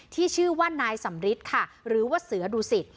ที่ชื่อว่านายส่ำริสต์ค่ะหรือว่าเสือดูศิษย์